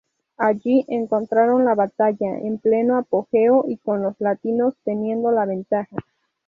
Allí encontraron la batalla en pleno apogeo y con los latinos teniendo la ventaja.